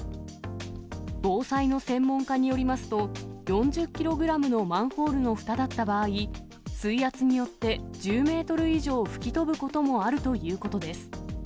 防災の専門家によりますと、４０キログラムのマンホールのふただった場合、水圧によって、１０メートル以上吹き飛ぶこともあるということです。